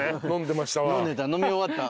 飲んでた飲み終わった。